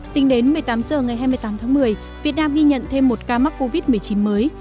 tính đến một mươi tám h ngày hai mươi tám tháng một mươi việt nam ghi nhận thêm một ca mắc covid một mươi chín mới